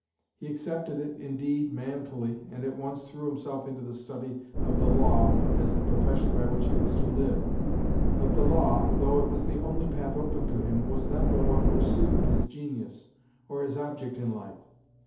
He accepted it, indeed, manfully, and at once threw himself into the study of the law as the profession by which he was to live. But the law, though it was the only path open to him, was not the one which suited his genius, or his object in life.